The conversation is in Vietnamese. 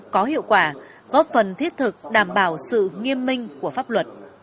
có hiệu quả góp phần thiết thực đảm bảo sự nghiêm minh của pháp luật